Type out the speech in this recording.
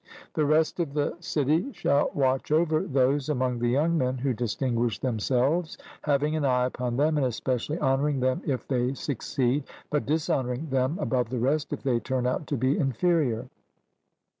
The rest of the city shall watch over those among the young men who distinguish themselves, having an eye upon them, and especially honouring them if they succeed, but dishonouring them above the rest if they turn out to be inferior.